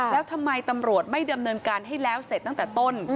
แล้วทำไมตำรวจไม่ดำเนินการให้แล้วเสร็จตั้งแต่ต้น